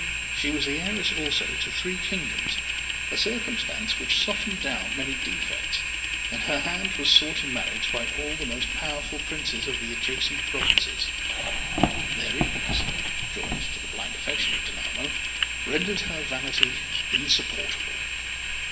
She was heiress also to three kingdoms, a circumstance which softened down many defects, and her hand was sought in marriage by all the most powerful princes of the adjacent provinces. Their eagerness, joined to the blind affection of Danamo, rendered her vanity insupportable.